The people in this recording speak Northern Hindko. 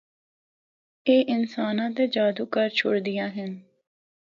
اے انساناں تے جادو کر چُھڑدیاں ہن۔